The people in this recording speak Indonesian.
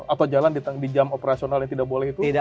atau jalan di jam operasional yang tidak boleh itu